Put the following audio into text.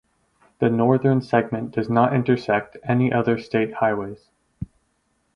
The northern segment does not intersect any other state highways.